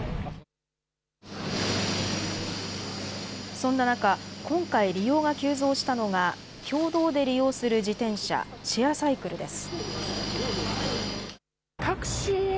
そんな中、今回、利用が急増したのが、共同で利用する自転車、シェアサイクルです。